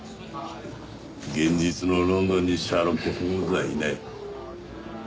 現実のロンドンにシャーロック・ホームズはいない。